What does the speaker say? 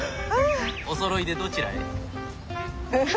おそろいでどちらへ？